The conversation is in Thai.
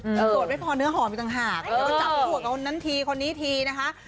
โสดไม่พอเนื้อหอมอยู่ต่างหาก